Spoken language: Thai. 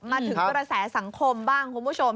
มาถึงกระแสสังคมบ้างคุณผู้ชม